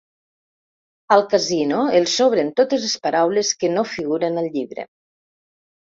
Al casino els sobren totes les paraules que no figuren al llibre.